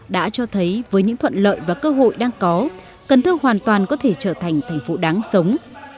đã cho thấy với những thuận lợi và cơ hội đang có cần thơ hoàn toàn có thể trở thành thành phố đáng sống